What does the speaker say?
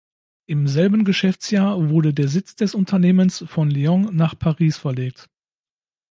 Im selben Geschäftsjahr wurde der Sitz des Unternehmens von Lyon nach Paris verlegt.